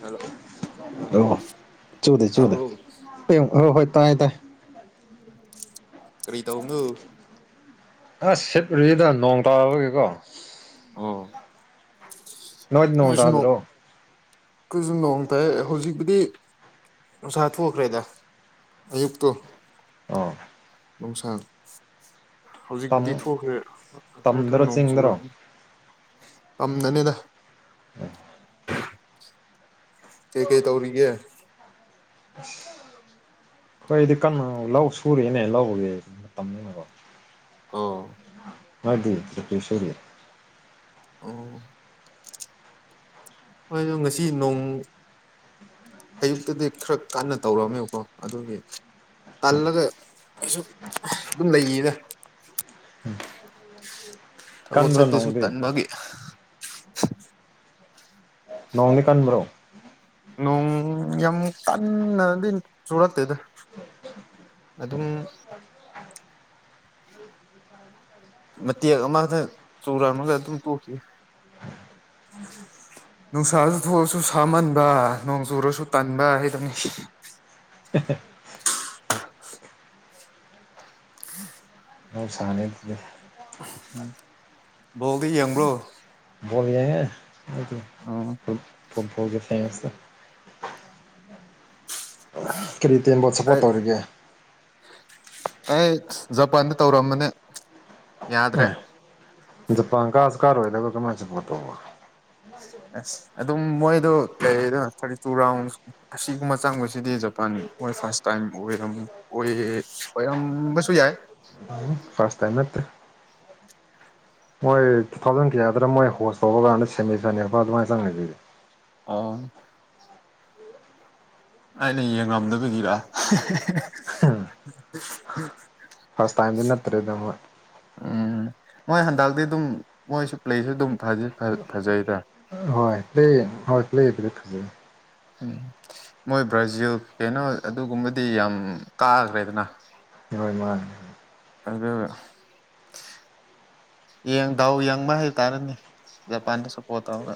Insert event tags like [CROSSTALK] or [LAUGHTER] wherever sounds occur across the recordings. hello ꯑ ꯑꯣ ꯆꯨꯗꯦ ꯆꯨꯗꯦ ꯇꯥꯕ꯭ꯔꯣ ꯍꯣꯏ ꯍꯣꯏ ꯇꯥꯏ ꯇꯥꯏ ꯀꯔꯤ ꯇꯧꯕꯅꯣ ꯑꯁ ꯁꯤꯠ ꯔꯤꯗ ꯅꯣꯡ ꯇꯥꯕꯒꯤꯀꯣ ꯑꯣ ꯅꯣꯏꯗꯤ ꯈꯣꯏꯁꯨ ꯅꯣꯡ ꯇꯥꯗ꯭ꯔꯣ ꯑꯈꯣꯏꯁꯨ ꯅꯣꯡꯇꯥꯏꯌꯦ ꯍꯧꯖꯤꯛꯄꯨꯗꯤ ꯅꯨꯡꯁꯥ ꯊꯣꯛꯈ꯭ꯔꯦꯗ ꯑꯌꯨꯛꯇꯣ ꯑꯣ ꯅꯨꯡꯁꯥꯡ ꯇꯝ ꯍꯧꯖꯤꯛꯄꯨꯗꯤ ꯊꯣꯛꯈ꯭ꯔꯦ ꯉꯁꯥꯏꯗꯣ ꯇꯝꯗꯔꯣ ꯅꯣꯡ ꯆꯤꯡꯗꯔꯣ ꯆꯨꯔꯕꯅꯤ ꯄꯝꯗꯅꯤꯗ [UNINTELLIGIBLE] ꯀꯩ-ꯀꯩ ꯇꯧꯔꯤꯒꯦ [UNINTELLIGIBLE] ꯑꯩꯈꯣꯏꯗꯤ ꯀꯟꯅ ꯂꯧ ꯁꯨꯔꯤꯌꯦꯅꯦ ꯂꯧꯕꯒꯤ ꯃꯇꯝꯅꯤꯅꯀꯣ ꯑꯣ ꯃꯥꯗꯤ ꯀꯩ-ꯀꯩ ꯁꯨꯔꯤ ꯑꯣ ꯍꯣꯏ ꯗꯣ ꯉꯁꯤ ꯅꯣꯡ ꯑꯌꯨꯛꯇꯗꯤ ꯈꯔ ꯀꯟꯅ ꯇꯧꯔꯝꯃꯦꯕꯀꯣ ꯑꯗꯨꯒꯤ ꯇꯜꯂꯒ ꯑꯩꯁꯨ ꯑꯗꯨꯝ ꯂꯩꯌꯦꯗ ꯊꯕꯛ ꯀꯟꯕ꯭ꯔꯣ ꯆꯠꯄꯁꯨ ꯅꯣꯡꯗꯤ ꯇꯟꯕꯒꯤ ꯅꯣꯡꯗꯤ ꯀꯟꯕ꯭ꯔꯣ ꯅꯣꯡ ꯌꯥꯝ ꯀꯟꯅꯗꯤ ꯆꯨꯔꯛꯇꯦꯗ ꯑꯗꯨꯝ ꯃꯇꯦꯛ ꯑꯃꯗ ꯆꯨꯔꯝꯃꯒ ꯑꯗꯨꯝ ꯇꯣꯛꯈꯤ ꯅꯨꯡꯁꯥꯁꯨ ꯊꯣꯛꯑꯁꯨ ꯁꯥꯃꯟꯕ ꯅꯣꯡ ꯆꯨꯔꯁꯨ ꯇꯟꯕ ꯍꯥꯏꯗꯨꯅꯤ ꯅꯣꯡ ꯁꯅꯗꯨꯗꯤ ꯎꯝ ꯕꯣꯜꯗꯤ ꯌꯦꯡꯕ꯭ꯔꯣ ꯕꯣꯜ ꯌꯦꯡꯉꯦ ꯎꯝ ꯄꯣꯠꯒꯜꯒ ꯐ꯭ꯔꯦꯟꯆꯀ ꯀꯔꯤ ꯇꯤꯝꯕꯣ ꯁꯞꯄꯣꯔꯠ ꯑꯩ ꯇꯧꯔꯤꯒꯦ ꯑꯩ ꯖꯄꯥꯟꯗ ꯇꯧꯔꯝꯕꯅꯦ ꯌꯥꯗ꯭ꯔꯦ ꯑꯦ ꯖꯄꯥꯟ ꯀꯥꯁꯨ ꯀꯥꯔꯣꯏꯗꯕ ꯀꯃꯥꯏ ꯁꯄꯣꯠ ꯇꯧꯕ ꯑꯁ ꯑꯗꯨꯝ ꯃꯣꯏꯗꯣ ꯂꯩꯗꯅ ꯊꯥꯔꯇꯤ ꯇꯨ ꯔꯥꯎꯟ ꯑꯁꯤꯒꯨꯝꯕ ꯆꯪꯕꯁꯤꯗꯤ ꯖꯄꯥꯟ ꯃꯣꯏ ꯐꯥꯔꯁ ꯇꯥꯏꯝ ꯑꯣꯏꯔꯝꯃꯤ ꯑꯣꯏꯌꯦ ꯑꯣꯏꯔꯝꯕꯁꯨ ꯌꯥꯏ ꯐꯥꯔꯁꯠ ꯇꯥꯏꯝ ꯅꯠꯇꯦ ꯃꯣꯏ ꯇꯨ ꯊꯥꯎꯖꯟ ꯀꯌꯥꯗꯔ ꯃꯣꯏ ꯍꯣꯁ ꯇꯧꯕ ꯀꯥꯟꯗ ꯁꯦꯃꯤꯐꯥꯏꯅꯦꯜ ꯐꯥꯎ ꯑꯗꯨꯃꯥꯏꯅ ꯆꯪꯉꯤꯗꯨꯗꯤ ꯑꯣ ꯑꯩꯅ ꯌꯦꯡꯉꯝꯗꯕꯒꯤꯔ ꯍꯦ ꯍꯦ ꯍꯦ ꯐꯥꯔꯁ ꯇꯥꯏꯝꯗꯤ ꯅꯠꯇ꯭ꯔꯦꯗ ꯃꯣꯏ ꯎꯝ ꯃꯣꯏ ꯍꯟꯗꯛꯇꯤ ꯑꯗꯨꯝ ꯃꯣꯏꯁꯨ ꯄ꯭ꯂꯦꯗꯤ ꯑꯗꯨꯝ ꯐꯗꯤ ꯐꯖꯩꯗ ꯍꯣꯏ ꯄ꯭ꯂꯦ ꯍꯣꯏ ꯄ꯭ꯂꯦ [UNINTELLIGIBLE] ꯎꯝ ꯃꯣꯏ ꯕ꯭ꯔꯥꯖꯤꯜ ꯀꯩꯅꯣ ꯑꯗꯨꯒꯨꯝꯕꯗꯤ ꯌꯥꯝ ꯀꯥꯈ꯭ꯔꯦꯗꯅ ꯍꯣꯏ ꯃꯥꯟꯅꯦ ꯑꯗꯨ ꯌꯦꯡ ꯗꯥꯎ ꯌꯦꯡꯕ ꯍꯥꯏꯇꯥꯥꯔꯦꯅꯦ ꯖꯄꯥꯟꯗ ꯁꯄꯣꯔꯠ ꯇꯧꯔꯒ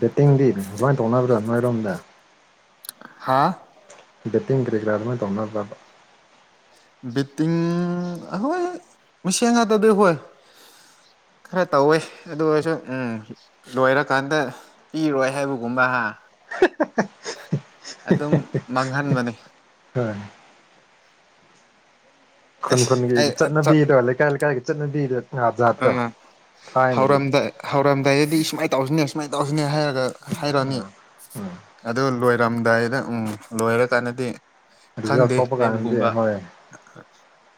ꯕꯦꯠꯇꯤꯡꯗꯤ ꯀꯃꯥꯏꯟ ꯇꯧꯅꯕ꯭ꯔꯥ ꯅꯣꯏꯔꯣꯝꯗ ꯍꯥꯥ ꯕꯦꯠꯇꯤꯡ ꯀꯔꯤꯒ꯭ꯔꯥ ꯑꯗꯨꯃꯥꯏ ꯇꯧꯅꯕ꯭ꯔꯕ ꯕꯤꯠꯇꯤꯡ ꯑꯍꯣꯏ ꯃꯁꯦꯟꯉꯥꯛꯇꯗꯤ ꯍꯣꯏ ꯈꯔ ꯇꯧꯋꯦ ꯑꯗꯨ ꯑꯣꯏꯔꯁꯨ ꯎꯝ ꯂꯣꯏꯔꯀꯥꯟꯗ ꯄꯤꯔꯣꯏ ꯍꯥꯏꯕꯒꯨꯝꯕ ꯍꯥ ꯑꯗꯨꯝ ꯃꯥꯡꯍꯟꯕꯅꯤ [UNINTELLIGIBLE] ꯈꯨꯟ ꯈꯨꯟꯒꯤ ꯑꯩ ꯑ ꯆꯠꯅꯕꯤꯗꯣ ꯂꯩꯀꯥꯏ ꯂꯩꯀꯥꯏꯒꯤ ꯆꯠꯅꯕꯤꯗ ꯅꯪꯅ ꯍꯧꯔꯝꯗꯦ ꯍꯧꯔꯝꯗꯥꯏꯗꯗꯤ ꯁꯨꯃꯥꯏꯅ ꯇꯧꯁꯤꯅꯦ ꯁꯨꯃꯥꯏꯅ ꯇꯧꯁꯤꯅꯦ ꯍꯥꯏꯔꯒ ꯍꯥꯏꯔꯛꯑꯅꯤ ꯎꯝ ꯑꯗꯨ ꯂꯣꯏꯔꯝꯗꯥꯏꯗ ꯎꯝ ꯂꯣꯏꯔꯀꯥꯟꯗꯗꯤ ꯔꯤꯖꯜ ꯈꯪꯗꯦ ꯊꯣꯛꯄ ꯀꯥꯟꯗꯗꯤ ꯍꯥꯏꯕꯒꯨꯝꯕ ꯍꯣꯏ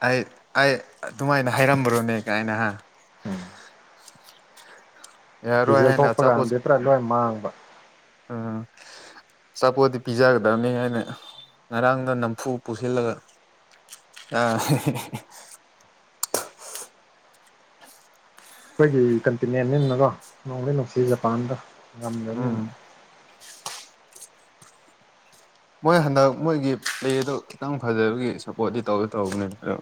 ꯑꯩ ꯑꯩ ꯑꯗꯨꯃꯥꯏꯅ ꯍꯥꯏꯔꯝꯕ꯭ꯔꯣꯅꯦ ꯀꯥꯏꯅ ꯍꯥ ꯎꯝ [INAUDIBLE] ꯌꯥꯔꯣꯏ ꯔꯤꯖꯜ ꯍꯥꯏꯅ ꯊꯣꯛꯄ ꯑꯆꯥꯄꯣꯠ ꯀꯥꯟꯗꯗꯤ ꯄꯨꯔꯥ ꯂꯣꯏ ꯃꯥꯡꯕ ꯎꯝ ꯑꯆꯥꯄꯣꯠꯗꯤ ꯄꯤꯖꯒꯗꯕꯅꯤ ꯍꯥꯏꯅ ꯉꯔꯥꯡꯗꯣ ꯅꯝꯐꯨ ꯄꯨꯁꯤꯜꯂꯒ [UNINTELLIGIBLE] ꯑꯩꯈꯣꯏꯒꯤ ꯀꯟꯇꯤꯅꯦꯟꯅꯤꯅꯀꯣ ꯅꯨꯡꯗꯤ ꯅꯨꯡꯁꯤ ꯖꯄꯥꯟꯗꯣ ꯎꯝ ꯉꯝꯗ꯭ꯔꯕꯅꯤꯅ ꯃꯣꯏ ꯍꯟꯗꯛ ꯃꯣꯏꯒꯤ ꯄ꯭ꯂꯦꯗꯣ ꯈꯤꯇꯪ ꯐꯖꯕꯒꯤ ꯁꯞꯄꯣꯔꯠꯇꯤ ꯇꯧꯗꯤ ꯇꯧꯕꯅꯦ ꯑꯗꯣ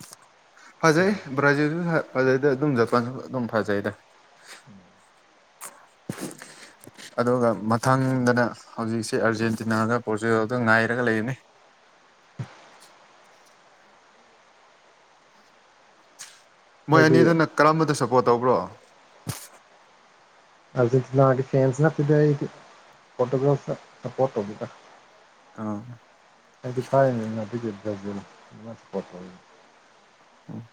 ꯐꯖꯩ ꯕ꯭ꯔꯥꯖꯤꯜꯁꯨ ꯐꯖꯩꯗ ꯑꯗꯨꯝ ꯖꯄꯥꯟꯁꯨ ꯑꯗꯨꯝ ꯐꯖꯩꯗ [INAUDIBLE] ꯑꯗꯨꯒ ꯃꯊꯪꯗꯅ ꯍꯧꯖꯤꯛꯁꯦ ꯑꯥꯔꯖꯦꯟꯇꯤꯅꯥꯗ ꯕꯣꯔꯖꯤꯜ ꯑꯗꯨ ꯉꯥꯏꯔꯒ ꯂꯩꯕꯅꯤ ꯃꯣꯏ ꯑꯩꯗꯤ ꯑꯅꯤꯗꯨꯅ ꯀꯔꯝꯕꯗ ꯁꯞꯄꯣꯔꯠ ꯇꯧꯕ꯭ꯔꯣ ꯑꯔꯖꯦꯟꯇꯤꯅꯥꯒꯤ ꯐꯦꯟꯁ ꯅꯠꯇꯦꯗ ꯑꯩꯗꯤ ꯄꯣꯔꯇꯨꯒꯜꯁꯇ ꯁꯄꯣꯔꯠ ꯇꯧꯕꯤꯕꯥ ꯑꯥ ꯑꯩꯗꯤ ꯊꯥꯏꯅꯉꯩꯗꯒꯤ ꯕ꯭ꯔꯖꯤꯜ [UNINTELLIGIBLE] ꯎꯝ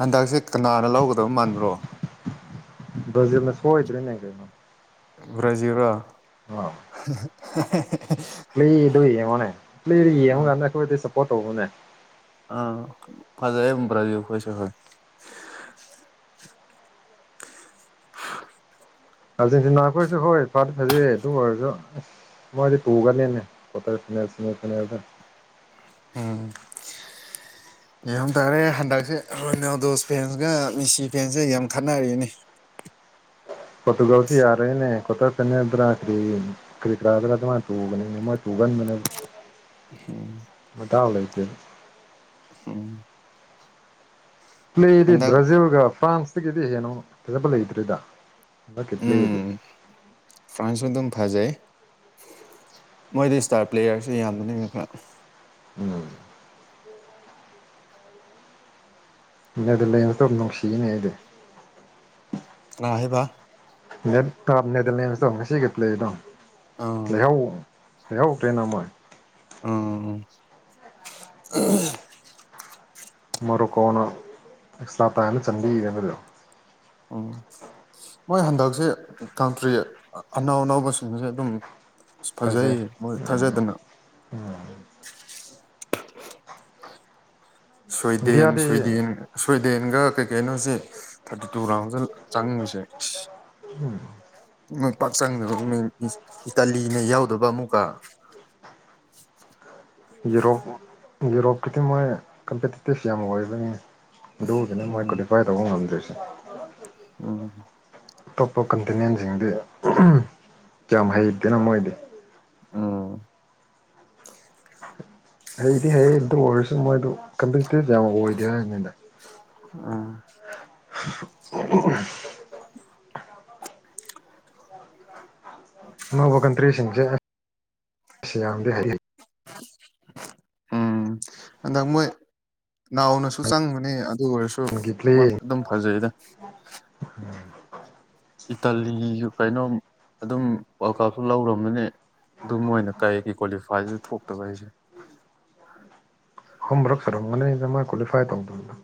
ꯍꯟꯗꯛꯁꯦ ꯀꯅꯥꯅ ꯂꯧꯒꯗꯕ ꯃꯥꯟꯕ꯭ꯔꯣ ꯕ꯭ꯔꯖꯤꯜꯅ ꯁꫭꯏꯗ꯭ꯔꯦꯅꯦ ꯀꯩꯅꯣ ꯕ꯭ꯔꯖꯤꯔꯣ ꯑ ꯄ꯭ꯂꯦꯗꯨ ꯌꯦꯡꯉꯨꯅꯦ ꯄ꯭ꯂꯦꯗꯨ ꯌꯦꯡꯕꯀꯥꯟꯗ ꯑꯩꯈꯣꯏꯗꯤ ꯁꯞꯄꯣꯔꯠ ꯇꯧꯕꯅꯦ ꯑ ꯐꯖꯥꯏꯑꯦ ꯕ‌ꯔꯥꯖꯤꯜꯈꫭꯏꯁꯨ ꯍꯧꯖꯤꯛ ꯑꯥꯔꯖꯦꯟꯇꯤꯅꯥ ꯑꯩꯈꯣꯏꯁꯨ ꯍꯣꯏ ꯐꯥꯗꯤ ꯐꯖꯩꯦ ꯑꯗꯨꯝ ꯑꯣꯏꯔꯁꯨ ꯑꯁ ꯃꫭꯏꯗꯤ ꯇꯨꯒꯅꯤꯅꯦ ꯀ꯭ꯋꯥꯇꯔ ꯐꯥꯏꯅꯦꯜ ꯁꯦꯃꯤ ꯐꯥꯏꯅꯦꯜꯗ ꯎꯝ ꯌꯦꯡ ꯇꯥꯔꯦ ꯍꯟꯗꯛꯁꯦꯣꯏꯅꯥꯗꯣꯁ ꯐꯦꯟꯒ ꯃꯤꯁꯤ ꯐꯦꯟꯁꯒ ꯌꯥꯝ ꯈꯠꯅꯔꯤꯅꯤ ꯄꫭꯔꯇꯨꯒꯜꯁꯤ ꯌꯥꯔꯅꯦ ꯀ꯭ꯋꯥꯇꯔ ꯐꯥꯏꯅꯦꯜ [UNINTELLIGIBLE] ꯀꯔꯤꯛꯥꯗ꯭ꯔꯗ ꯃꯥ ꯇꯨꯒꯅꯤ ꯃꫭꯏ ꯇꯨꯒꯟꯕꯅꯦ ꯎꯝ ꯂꯩꯇꯦ ꯎꯝ ꯄ꯭ꯂꯦꯗꯤ ꯍꯟꯗꯛ ꯕ꯭ꯔꯥꯖꯤꯜꯒ ꯐ꯭ꯔꯥꯟꯁꯇꯒꯤꯗꯤ ꯍꯦꯟꯅ ꯐꯖꯕ ꯂꯩꯇ꯭ꯔꯤꯗ ꯍꯟꯗꯛꯀꯤ ꯄ꯭ꯂꯦꯗꯤ ꯎꯝ ꯐ꯭ꯔꯥꯟꯁꯁꯨ ꯑꯗꯨꯝ ꯐꯖꯩ ꯃꯣꯏꯗꯤ ꯏꯁ꯭ꯇꯥꯔ ꯄ꯭ꯂꯦꯌꯥꯔꯁꯨ ꯌꯥꯝꯕꯅꯤꯅ ꯈꯔ ꯎꯝ ꯅꯦꯗꯔꯂꯦꯟꯁꯇꯣ ꯑꯗꯨꯝ ꯅꯨꯡꯁꯤꯅꯦ ꯑꯩꯗꯤ ꯀꯅꯥ ꯍꯥꯏꯕ ꯅꯦꯗ ꯅꯦꯒꯂꯦꯟꯁꯇꯣ ꯉꯁꯤꯒꯤ ꯄ꯭ꯂꯦꯗꯣ ꯑꯥ ꯂꯩꯍꯧ ꯂꯩꯍꯧꯗ꯭ꯔꯦꯅ ꯃꯣꯏ ꯎꯝ [UNINTELLIGIBLE] ꯃꯣꯔꯣꯀꯣꯅ ꯑꯦꯛꯁꯇ꯭ꯕꯥ ꯇꯥꯏꯝꯗ ꯆꯟꯕꯤꯒꯤꯕꯗꯣ ꯎꯝ ꯃꯣꯏ ꯍꯟꯗꯛꯁꯦ ꯀꯟꯇ꯭ꯔꯤ ꯑꯅꯧ ꯑꯅꯧꯕꯁꯤꯡꯁꯦ ꯑꯗꯨꯝ ꯑꯁ ꯐꯖꯩꯌꯦ ꯃꯣꯏ ꯊꯥꯖꯗꯅ ꯎꯝ ꯁ꯭ꯋꯣꯏꯗꯦꯟ ꯏꯟꯗꯤꯌꯥꯗꯤ ꯁ꯭ꯋꯤꯗꯦꯟ ꯁ꯭ꯋꯤꯗꯦꯟꯒ ꯀꯩ ꯀꯩꯅꯣꯁꯦ ꯊꯥꯔꯇꯤ ꯇꯨ ꯔꯥꯎꯟꯗ ꯆꯪꯉꯤꯁꯦ ꯃꯣꯢ ꯄꯥꯛ ꯆꯪꯗꯕ ꯏꯇꯂꯤꯅ ꯌꯥꯎꯗꯕ ꯑꯃꯨꯛꯀ ꯌꯨꯔꯣꯞ ꯌꯨꯔꯣꯞꯀꯤꯗꯤ ꯃꯣꯏ ꯀꯝꯄꯤꯇꯤꯇꯤꯞꯁ ꯌꯥꯝ ꯑꯣꯏꯕꯅꯤ ꯑꯗꯨꯗꯨꯅ ꯃꯣꯏ ꯎꯝ ꯀ꯭ꯋꯥꯂꯤꯐꯥꯏ ꯇꯧꯕ ꯉꯝꯗ꯭ꯔꯤꯁꯦ ꯎꯝ ꯑꯇꯣꯞꯄ ꯀꯟꯇꯤꯅꯦꯟꯁꯤꯡꯗꯤ ꯌꯥꯝ ꯍꯩꯇꯦꯅ ꯃꯣꯏꯗꯤ ꯎꯝ ꯍꯩꯗꯤ ꯍꯌꯦ ꯗꯨ ꯑꯣꯏꯔꯁꯨ ꯃꯣꯏꯗꯣ ꯀꯝꯄꯤꯇꯤꯇꯤꯞ ꯌꯥꯝ ꯑꯣꯏꯗꯦ ꯍꯥꯏꯕꯅꯤꯗ ꯑꯥ [INAUDIBLE] [UNINTELLIGIBLE] [INAUDIBLE] ꯑꯅꯧꯕ ꯀꯟꯇ꯭ꯔꯤꯁꯤꯡꯁꯦ ꯑꯁ ꯌꯥꯝꯗꯤ ꯍꯩ ꯎꯝ ꯑꯗ ꯃꯣꯏ ꯅꯥꯎꯅꯁꯨ ꯆꯪꯕꯅꯤ ꯑꯗꯨ ꯑꯣꯏꯔꯁꯨ ꯍꯩꯒꯤ ꯄ꯭ꯂꯦ ꯃꯣꯢ ꯑꯗꯨꯝ ꯐꯖꯩꯗ [INAUDIBLE] ꯏꯇꯥꯂꯤꯒꯤꯁꯨ ꯀꯩꯅꯣꯝ ꯑꯗꯨꯝ ꯋꯥꯔꯜ ꯀꯞꯁꯨ ꯂꯧꯔꯝꯕꯅꯦ ꯑꯗꯨ ꯃꯣꯏꯅ ꯀꯩꯒꯤ ꯀ꯭ꯋꯥꯂꯤꯐꯥꯏꯗꯨꯗ ꯊꯣꯛꯇꯕ [UNINTELLIGIBLE] ꯑꯍꯨꯝꯔꯛ ꯁꯨꯔꯝꯒꯅꯤꯗ ꯃꯣꯢ ꯀ꯭ꯋꯥꯂꯤꯐꯥꯏ ꯇꯧꯗꯕꯗꯨ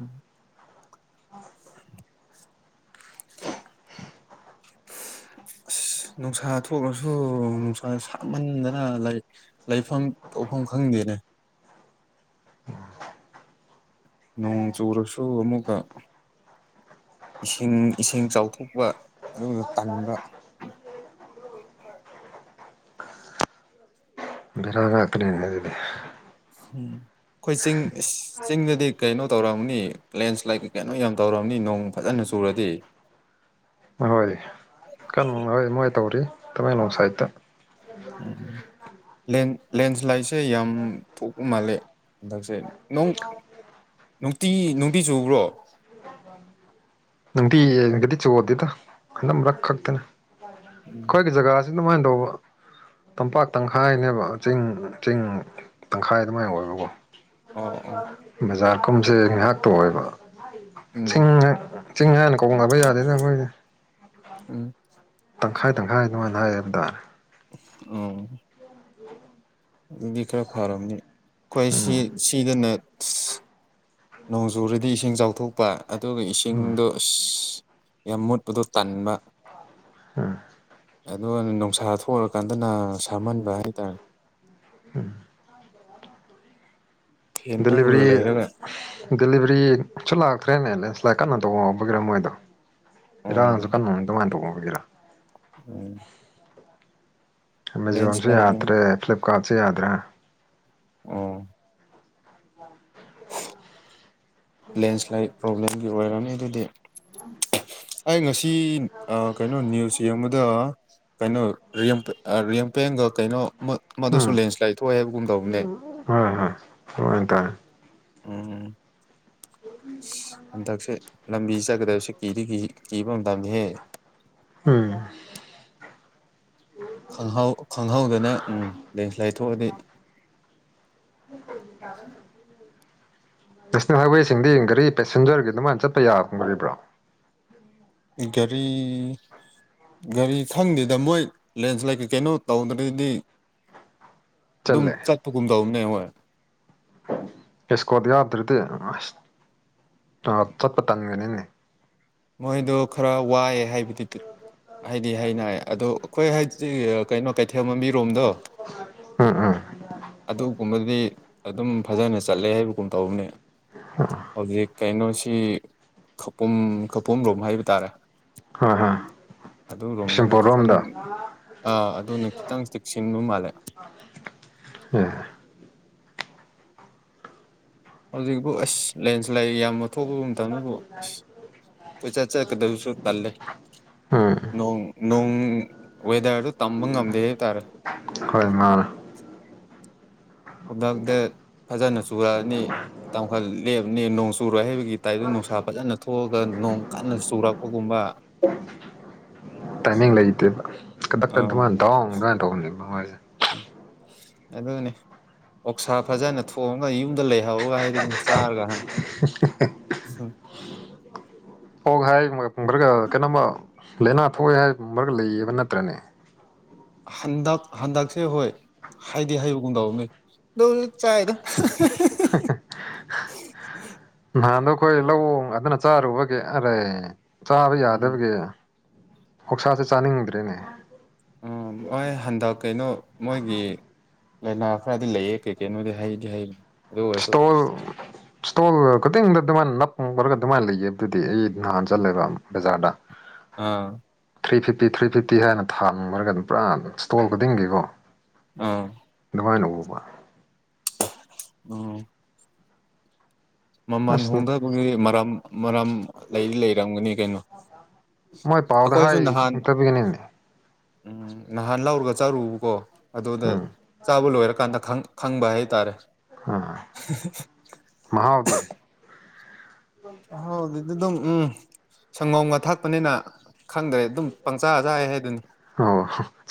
ꯎꯝ ꯑꯁ ꯅꯨꯡꯁꯥ ꯊꯣꯛꯂꯁꯨ ꯅꯨꯡꯁꯥ ꯁꯥꯃꯟꯗꯅ ꯂꯩ ꯂꯩꯐꯝ ꯇꯧꯐꯝ ꯈꯪꯗꯦꯅꯦ ꯅꯣꯡ ꯆꯨꯔꯁꯨ ꯑꯃꯨꯛꯀ ꯏꯁꯤꯡ ꯏꯁꯤꯡ ꯆꯥꯎꯊꯣꯛꯄ ꯑꯗꯨꯒ ꯇꯟꯕ ꯕꯦꯔꯥ ꯉꯥꯛꯇꯅꯤꯅꯦ ꯑꯗꯨꯗꯤ ꯎꯝ ꯑꯩꯈꯣꯏ ꯆꯤꯡ ꯆꯤꯡꯗꯗꯤ ꯀꯩꯅꯣ ꯇꯧꯔꯝꯒꯅꯤ ꯂꯦꯟꯁ꯭ꯂꯥꯏꯠ ꯀꯩ ꯀꯩꯅꯣ ꯌꯥꯝ ꯇꯧꯔꯝꯅꯤ ꯅꯣꯡ ꯐꯖꯅꯥ ꯆꯨꯔꯗꯤ ꯍꯣꯏ ꯍꯣꯏ ꯀꯟꯕꯥ ꯃꯥꯜꯂꯦ ꯃꯣꯏ ꯀꯃꯥꯏꯅ ꯇꯧꯔꯤ ꯇꯃꯦꯡꯂꯣꯡ ꯁꯥꯏꯠꯇ ꯎꯝ ꯂꯦꯟ ꯂꯦꯟꯁ꯭ꯂꯥꯏꯠꯁꯦ ꯌꯥꯝ ꯊꯣꯛꯄ ꯃꯥꯜꯂꯦ ꯍꯟꯗꯛꯁꯦ ꯅꯣꯡ ꯅꯨꯡꯇꯤ ꯅꯨꯡꯇꯤ ꯆꯨꯕ꯭ꯔꯣ [UNINTELLIGIBLE] ꯅꯨꯡꯇꯤ ꯌꯦꯟꯒꯗꯤ ꯆꯨꯗꯦꯗ ꯍꯟꯗꯛ ꯃꯔꯛ ꯈꯛꯇꯅꯦ ꯑꯩꯈꯣꯏꯒꯤ ꯖꯒꯥꯁꯤ ꯑꯗꯨꯃꯥꯏꯅ ꯇꯧꯕ ꯇꯝꯄꯥꯛ ꯇꯪꯈꯥꯏꯅꯦꯕ ꯆꯤꯡ ꯆꯤꯡ ꯇꯪꯈꯥꯏ ꯑꯗꯨꯃꯥꯏꯅ ꯑꯣꯏꯕꯀꯣ ꯑꯣ ꯑꯣ ꯕꯖꯥꯔ ꯀꯨꯝꯁꯦ ꯉꯥꯏꯍꯥꯛꯇ ꯑꯣꯏꯕ ꯎꯝ ꯆꯤꯡꯅꯦ ꯆꯤꯡ ꯍꯥꯏꯅ ꯀꯧꯅꯕ ꯌꯥꯗꯦꯗ ꯈꯣꯏꯗꯤ [UNINTELLIGIBLE] ꯇꯪꯈꯥꯏ ꯇꯪꯈꯥꯏ ꯑꯗꯨꯃꯥꯏꯅ ꯍꯥꯏꯌꯦꯕ ꯇꯥꯔꯦ ꯑꯣ ꯑꯗꯨꯗꯤ ꯈꯔ ꯐꯔꯝꯅꯤ ꯑꯩꯈꯣꯏ ꯁꯤ ꯎꯝ ꯁꯤꯗꯅ ꯅꯣꯡꯖꯨꯨꯔꯗꯤ ꯏꯁꯤꯡ ꯆꯥꯎꯊꯣꯛꯄ ꯑꯗꯨꯒ ꯎꯝ ꯏꯁꯤꯡꯗꯣ ꯑꯁ ꯌꯥꯝ ꯃꯣꯠꯄꯗꯣ ꯇꯥꯟꯕ ꯎꯝ ꯑꯗꯨ ꯅꯨꯡꯁꯥ ꯊꯣꯛꯔꯥꯀꯥꯟꯗꯅꯥ ꯁꯥꯃꯟꯕ ꯍꯥꯏꯇꯥꯔꯦ ꯐꯦꯟ ꯎꯪꯉꯒ ꯗꯂꯤꯚꯔꯤ ꯂꯩꯔꯒ ꯗꯦꯂꯤꯚꯔꯤꯁꯨ ꯂꯥꯛꯇ꯭ꯔꯦꯅꯦ ꯂꯦꯟꯁꯂꯥꯏꯘ ꯀꯟꯅꯥ ꯇꯧꯕꯃꯟꯕꯒꯤꯔꯥ ꯃꯣꯏꯗꯣ ꯏꯔꯥꯡꯁꯨ ꯎꯝ ꯀꯟ ꯑꯗꯨꯃꯥꯏꯅ ꯇꯧꯕꯒꯤꯔꯥ ꯎꯝ ꯑꯦꯃꯥꯖꯣꯟꯁꯨ ꯂꯦꯟꯁ꯭ꯂꯥꯏꯠ ꯎꯝ ꯌꯥꯗ꯭ꯔꯦ ꯐ꯭ꯂꯤꯞꯀꯥꯔꯠꯁꯨ ꯌꯥꯗ꯭ꯔꯦ ꯎꯝ ꯂꯦꯟꯁ꯭ꯂꯥꯏꯠ ꯄ꯭ꯔꯣꯕ꯭ꯂꯦꯝꯒꯤ ꯑꯣꯏꯔꯝꯅꯤ ꯑꯗꯨꯗꯤ ꯑꯩ ꯉꯁꯤ ꯀꯩꯅꯣ ꯅꯤꯌꯨꯁ ꯌꯦꯡꯕꯗ ꯀꯩꯅꯣ ꯔꯤꯝꯄꯦꯟꯒ ꯀꯩꯅꯣ ꯎꯝ ꯑꯥꯃꯗꯨꯁꯨ ꯂꯦꯟꯁ꯭ꯂꯥꯏꯠ ꯊꯣꯛꯑꯦ ꯍꯥꯏꯕꯒꯨꯝ ꯇꯧꯕꯅꯦ ꯍꯣꯏ ꯍꯣꯏ [UNINTELLIGIBLE] ꯎꯝ ꯍꯟꯗꯛꯁꯦ ꯂꯝꯕꯤ ꯆꯠꯀꯗꯕꯁꯦ ꯀꯤꯗꯤ ꯀꯤꯕ ꯃꯇꯝꯅꯤꯍꯦ ꯎꯝ ꯈꯪꯍꯧ ꯈꯪꯍꯧꯗꯅ ꯎꯝ ꯂꯦꯟꯁꯂꯥꯏꯠ ꯊꯣꯛꯑꯗꯤ ꯅꯦꯁꯅꯦꯜ ꯍꯥꯏꯋꯦꯁꯤꯡꯗꯤ ꯒꯥꯔꯤ ꯄꯦꯁꯦꯟꯖꯔꯒꯤ ꯑꯗꯨꯃꯥꯏꯅ ꯆꯠꯄ ꯍꯥꯏꯕꯔꯣ ꯒꯥꯔꯤ ꯒꯥꯔꯤ ꯈꯪꯗꯦꯗ ꯃꯣꯏ ꯂꯦꯟꯁ꯭ꯂꯥꯏꯠ ꯀꯩ ꯀꯩꯅꯣ ꯇꯧꯗ꯭ꯔꯗꯤ ꯑꯗꯨꯝ ꯆꯠꯂꯦ ꯆꯠꯄꯒꯨꯝ ꯗꯧꯕꯅꯦ ꯍꯣꯏ ꯑꯦꯁꯀꯣꯠ ꯌꯥꯎꯗꯔꯗꯤ ꯑꯁ ꯆꯠꯄ ꯇꯟꯒꯅꯤ ꯃꯣꯏꯗꯣ ꯈꯔ ꯋꯥꯏꯑꯦ ꯍꯥꯏꯕꯗꯤ ꯍꯥꯏꯗꯤ ꯍꯥꯏꯅ ꯑꯗꯣ ꯑꯩꯈꯣꯏ ꯍꯥꯏꯗꯤ ꯀꯩꯅꯣ ꯀꯩꯊꯦꯜꯃꯥꯟꯕꯤ ꯔꯣꯝꯗꯣ ꯎꯝ ꯎꯝ ꯑꯗꯨꯒꯨꯝꯕꯗꯨꯗꯤ ꯑꯗꯨꯝ ꯐꯖꯅꯥ ꯆꯠꯂꯦ ꯍꯥꯏꯕꯒꯨꯝ ꯇꯧꯕꯅꯦ ꯍꯧꯖꯤꯛ ꯀꯩꯅꯣꯁꯤ ꯈꯧꯄꯨꯝ ꯄꯨꯝꯂꯣꯝ ꯍꯥꯏꯕ ꯇꯥꯔꯦ ꯍꯣꯏ ꯍꯣꯏ ꯑꯗꯨꯔꯣꯝꯗꯅ ꯕꯤꯁꯦꯝꯄꯨꯔ ꯈꯤꯇꯪ ꯔꯣꯝꯗ ꯑꯥ ꯑꯗꯨꯅ ꯈꯤꯇꯪ ꯆꯦꯛꯁꯤꯟꯕ ꯃꯥꯜꯂꯦ ꯍꯣꯏ ꯍꯧꯖꯤꯛꯐꯥꯎ ꯑꯁ ꯂꯦꯟꯁ꯭ꯂꯥꯏꯗ ꯌꯥꯝꯅ ꯊꯣꯛꯇ ꯃꯇꯝꯗꯕꯨ ꯑ ꯄꯩ ꯆ ꯆ ꯀꯗꯧꯁꯨ ꯆꯂꯦ ꯎꯝ ꯅꯣꯡ ꯅꯣꯡ ꯋꯦꯗꯔꯗꯨ ꯇꯝꯕ ꯉꯝꯗꯦ ꯍꯥꯏꯇꯥꯔꯦ ꯍꯣꯏ ꯃꯥ ꯈꯨꯗꯛꯇ ꯐꯖꯅ ꯆꯨꯔꯛꯑꯅꯤ ꯇꯈꯜ ꯂꯦꯞꯕꯅꯦ ꯅꯣꯡ ꯆꯨꯔꯣꯏ ꯍꯩꯕꯒꯤ ꯇꯥꯏꯞꯇ ꯅꯨꯡꯁꯥ ꯐꯖꯅ ꯊꯣꯛꯑꯒ ꯅꯣꯡ ꯀꯟꯅ ꯆꯨꯔꯛꯄꯒꯨꯝꯕ ꯇꯥꯏꯃꯤꯡ ꯂꯩꯇꯦꯕ ꯀꯗꯛꯀ ꯑꯗꯨꯃꯥꯏꯅ ꯡ ꯑꯗꯨꯃꯥꯏꯅ ꯇꯧꯕꯅꯦꯕꯁ ꯑꯗꯨꯗꯅꯦ ꯑꯣꯛꯁꯥ ꯐꯖꯅ ꯊꯣꯡꯑꯉꯒ ꯌꯨꯝꯗ ꯂꯩꯍꯧꯔꯒ ꯍꯥꯏꯗꯅ ꯆꯥꯔꯒ [UNINTELLIGIBLE] [UNINTELLIGIBLE] ꯑꯣ ꯍꯥꯏ ꯈꯔꯒ ꯀꯩꯅꯣꯃ ꯂꯥꯏꯅꯥ ꯊꯣꯛꯑꯦ ꯍꯥꯏ ꯈꯔꯒ ꯂꯩꯌꯦꯕ ꯅꯠꯇ꯭ꯔꯅꯦ ꯍꯟꯗ ꯍꯟꯗꯛꯁꯦ ꯍꯣꯏ ꯍꯥꯏꯗꯤ ꯍꯥꯏꯕ ꯈꯣꯡꯗꯥꯥꯎꯅꯦ ꯆꯥꯏꯗ [UNINTELLIGIBLE] ꯅꯍꯥꯟꯗꯣ ꯑꯩꯈꯣꯏ ꯂꯧꯋꯣꯡ ꯑꯗꯨꯅ ꯆꯥꯔꯨꯕꯒꯤ ꯑꯔꯩ ꯆꯥꯕ ꯎꯝ ꯌꯥꯗꯕꯒꯤ ꯀꯧꯁꯥꯁꯦ ꯆꯥꯅꯤꯡꯗ꯭ꯔꯦꯅꯦ ꯎ ꯍꯣꯏ ꯍꯟꯗꯛ ꯀꯩꯅꯣ ꯃꯣꯏꯒꯤ ꯂꯥꯏꯅꯥ ꯈꯔꯗꯤ ꯂꯩꯌꯦ ꯀꯩ ꯀꯩꯅꯣꯗꯤ ꯍꯩꯗꯤ ꯍꯩꯅꯤ ꯑꯗꯨ ꯑꯣꯏꯔꯁꯨ ꯈꯨꯇꯤꯡꯗ ꯑꯗꯨꯃꯥꯏꯅ ꯅꯞ ꯄꯔꯒ ꯑꯗꯨꯃꯥꯏꯅ ꯂꯩꯌꯦ ꯑꯗꯨꯗꯤ ꯑꯩ ꯅꯍꯥꯟ ꯆꯠꯂꯦꯕ ꯕꯖꯥꯔꯗ ꯑꯥ ꯊ꯭ꯔꯤ ꯐꯤꯐꯇꯤ ꯊ꯭ꯔꯤ ꯐꯤꯐꯇꯤ ꯍꯥꯏꯅ ꯊꯥꯃꯔꯒ ꯑꯗꯨꯝ ꯄꯨꯔꯥ ꯁ꯭ꯇꯣꯜ ꯈꯨꯗꯤꯡꯒꯤꯀꯣ ꯑꯥ ꯃꯥꯏꯅ ꯎꯕ ꯎꯝ ꯃꯃꯜ ꯑꯁ ꯍꯣꯡꯊꯕꯒꯤꯗꯤ ꯃꯔꯝ ꯃꯔꯝ ꯂꯩꯗꯤ ꯂꯩꯔꯝꯒꯅꯤ ꯀꯩꯅꯣ ꯃꯣꯏ ꯄꯥꯎꯗ ꯑꯩꯈꯣꯏꯁꯨ ꯍꯥꯏ ꯅꯍꯥꯟ ꯏꯇꯕꯤ ꯀꯅꯤꯅꯤꯅꯤ ꯎꯝ ꯅꯍꯥꯟ ꯂꯧꯔꯒ ꯆꯥꯔꯨꯕꯀꯣ ꯑꯗꯨꯗ ꯎꯝ ꯆꯥꯕ ꯂꯣꯏꯔꯀꯥꯟꯗ ꯈꯪꯕ ꯍꯥꯏꯇꯥꯔꯦ ꯑꯥ ꯃꯍꯥꯎꯗꯤ ꯍꯥꯎꯗ ꯑꯗꯨ ꯑꯗꯨ ꯎꯝ ꯁꯪꯒꯣꯝꯒ ꯊꯛꯄꯅꯤꯅ ꯈꯪꯗ꯭ꯔꯦ ꯑꯗꯨꯝ ꯄꯪꯆꯥꯖꯥ ꯍꯥꯏꯗꯨꯅꯤ ꯑꯣ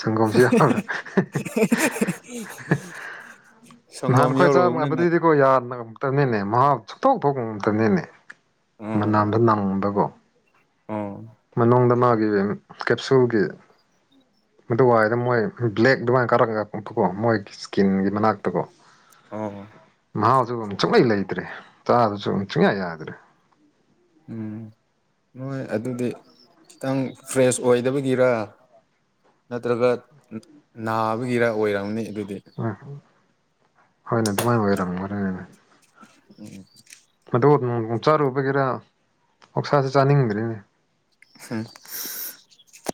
ꯁꯪꯒꯣꯝꯁꯨ ꯌꯥꯎꯔꯦ [INAUDIBLE] [UNINTELLIGIBLE] ꯅꯍꯥꯟ ꯁꯪꯒꯣꯝ ꯈꯈꯣꯏ ꯆꯥꯝꯕ ꯌꯧꯔꯨꯕꯅꯤꯅ ꯑꯗꯨꯗꯨꯗꯤ ꯀꯣ ꯌꯥꯔꯅ ꯇꯅꯤꯅꯦ ꯃꯍꯥꯎ ꯁꯇꯣꯛ ꯊꯣꯛꯄ ꯉꯝꯇꯅꯤꯅꯦ ꯃꯅꯥꯝꯗ ꯅꯪꯕꯀꯣ ꯎꯝ ꯃꯅꯨꯡꯗ ꯃꯥꯒꯤ ꯀꯦꯞꯁꯨꯜꯒꯤ ꯃꯗꯨ ꯋꯥꯏꯗ ꯃꯣꯏ ꯕ꯭ꯂꯦꯛ ꯑꯗꯨꯃꯥꯏꯅ ꯀꯥꯔꯛꯒ ꯀꯛꯄꯀꯣ ꯃꯣꯏꯒꯤ ꯏꯁꯀꯤꯟꯒꯤ ꯃꯅꯥꯛꯇꯀꯣ ꯑꯣ ꯃꯍꯥꯎꯁꯨ ꯑꯃꯛ ꯁꯨꯡꯉꯩ ꯂꯩꯇ꯭ꯔꯦ ꯆꯥꯕꯁꯨ ꯑꯃꯨ ꯆꯨꯡꯌꯥ ꯌꯥꯗ꯭ꯔꯦ ꯎꯝ ꯅꯣꯏ ꯑꯗꯨꯗꯤ ꯈꯤꯇꯪ ꯐ꯭ꯔꯦꯁ ꯑꯣꯏꯗꯕꯒꯤꯔ ꯅꯠꯇ꯭ꯔꯒ ꯅꯥꯕꯒꯤꯔ ꯑꯣꯏꯔꯝꯅꯤ ꯑꯗꯨꯗꯤ ꯍꯣꯏ ꯍꯣꯏ ꯍꯣꯏꯅꯦ ꯑꯗꯨꯃꯥꯏꯅ ꯑꯣꯏꯔꯝꯒꯅꯤꯅꯦ ꯎꯝ ꯑꯗꯣ ꯅꯣꯡꯣꯡ ꯆꯥꯔꯨꯕꯒꯤꯦꯔꯥ ꯑꯣꯁꯥꯁꯦ ꯆꯥꯅꯤꯡꯗ꯭ꯔꯤꯅꯦ ꯍꯝ